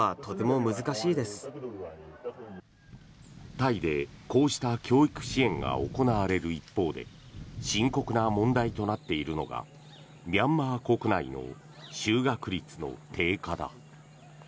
タイでこうした教育支援が行われる一方で深刻な問題となっているのがミャンマー国内の就学率の低下だ。